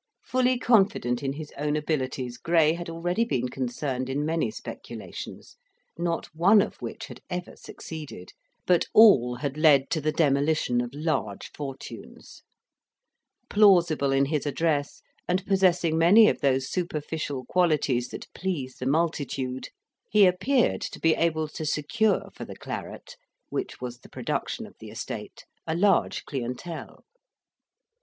Fully confident in his own abilities, Gray had already been concerned in many speculations, not one of which had ever succeeded, but all had led to the demolition of large fortunes. Plausible in his address, and possessing many of those superficial qualities that please the multitude, he appeared to be able to secure for the claret which was the production of the estate a large clientele.